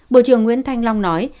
bộ trưởng nguyễn thanh long nói